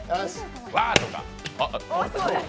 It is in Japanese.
わー！とか。